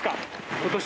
今年。